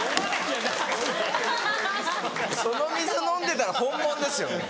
その水飲んでたら本物ですよ。